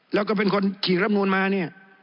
แล้วก็เป็นคนขีดรำนูนมาเนี่ย